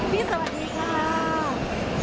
พี่สวัสดีครับ